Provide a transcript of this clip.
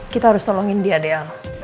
kita harus tolongin dia dialo